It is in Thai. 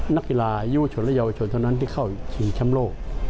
นักกีฬาอายุชนและเยาวชนเท่านั้นที่เข้าชิงแชมป์โลก